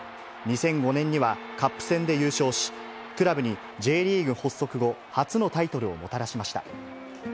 ２００５年にはカップ戦で優勝し、クラブにＪリーグ発足後初のタイトルをもたらしました。